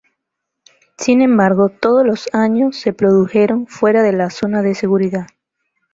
Sin embargo, todos los daños se produjeron fuera de la zona de seguridad.